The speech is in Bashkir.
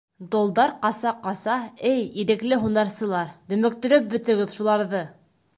— Долдар ҡаса, ҡаса, эй, Ирекле һунарсылар, дөмөктөрөп бөтөгөҙ шуларҙы!